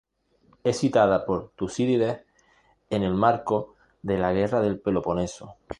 Es citada por Tucídides en el marco de la Guerra del Peloponeso.